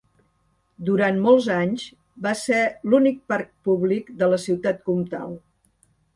Durant molts anys va ser l'únic parc públic de la Ciutat Comtal.